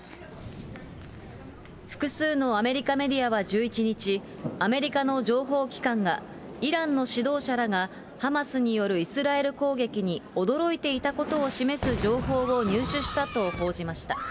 複数のアメリカメディアは１１日、アメリカの情報機関がイランの指導者らが、ハマスによるイスラエル攻撃に驚いていたことを示す情報を入手したと報じました。